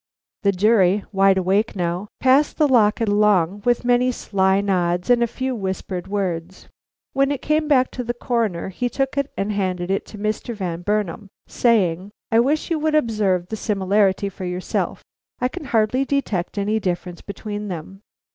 The jury, wide awake now, passed the locket along, with many sly nods and a few whispered words. When it came back to the Coroner, he took it and handed it to Mr. Van Burnam, saying: "I wish you would observe the similarity for yourself. I can hardly detect any difference between them."